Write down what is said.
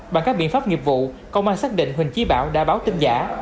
bằng các biện pháp nghiệp vụ công an xác định huỳnh chí bảo đã báo tin giả